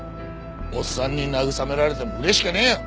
おっさんに慰められても嬉しくねえよ！